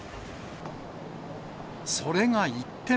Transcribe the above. それが一転。